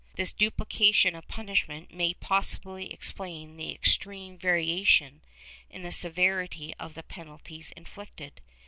This duplication of punishment may possibly explain the extreme variation in the severity of the penalties inflicted.